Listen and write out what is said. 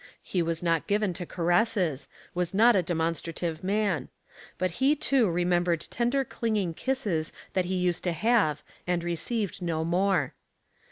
He was not given to caresses, was not a demonstrative man ; but he, too, remembered tender clinging kisses that he used to have and received no more.